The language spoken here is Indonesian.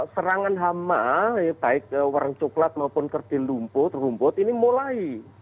serangan hama baik warna coklat maupun kerdil rumput ini mulai